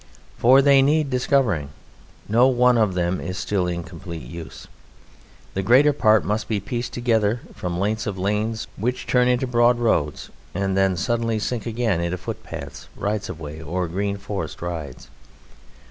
For they need discovering. No one of them is still in complete use. The greater part must be pieced together from lengths of lanes which turn into broad roads, and then suddenly sink again into footpaths, rights of way, or green forest rides.